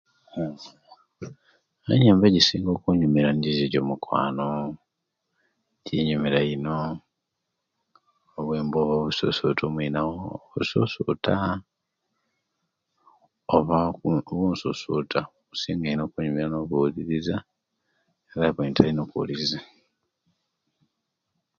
Enyembo egisinga okunyumira nijo ejomukwano ginyumira ino owebo obwo obususuta onwinawo bususuta oba bumususuta bunyumira ino okubuliriza